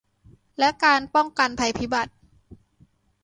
และการป้องกันภัยพิบัติ